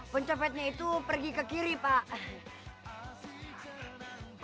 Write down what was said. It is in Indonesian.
pencopetnya itu pergi ke kiri pak